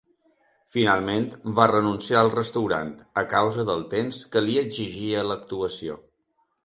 Finalment va renunciar al restaurant a causa del temps que li exigia l'actuació.